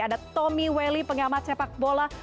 ada tommy welly pengamat sepak bola